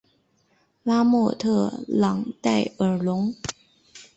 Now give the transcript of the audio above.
拉莫特朗代尔龙。